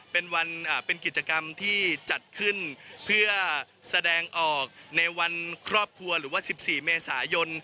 เป็นวันเป็นกิจกรรมที่จัดขึ้นเพื่อแสดงออกในวันครอบครัวหรือว่า๑๔เมษายน